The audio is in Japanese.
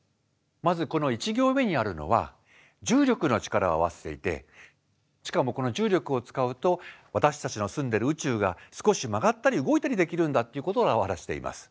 まずこの１行目にあるのは重力の力を合わせていてしかもこの重力を使うと私たちの住んでる宇宙が少し曲がったり動いたりできるんだということを表しています。